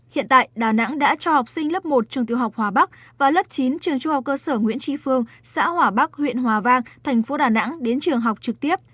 hiện tại đà nẵng đã cho học sinh lớp một trường tiêu học hòa bắc và lớp chín trường trung học cơ sở nguyễn trí phương xã hòa bắc huyện hòa vang thành phố đà nẵng đến trường học trực tiếp